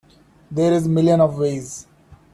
There's millions of ways.